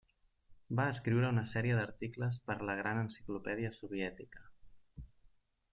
Va escriure una sèrie d'articles per a la Gran Enciclopèdia Soviètica.